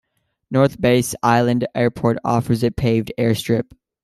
North Bass Island Airport offers a paved airstrip.